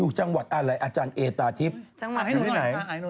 คุณแองจี้น่ารักค่ะ